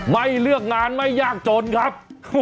ไม่เลือกงานไม่ยากจนครับ